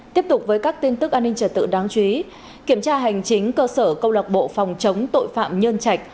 tiếp tục với các tin tức an ninh trật tự đáng chú ý kiểm tra hành chính cơ sở công lạc bộ phòng chống tội phạm nhân trạch